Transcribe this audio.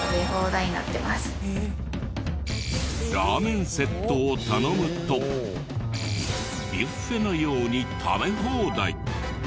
ラーメンセットを頼むとビュッフェのように食べ放題。